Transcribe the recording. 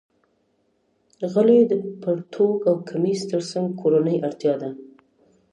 غلۍ د پرتوګ او کمیس تر څنګ کورنۍ اړتیا ده.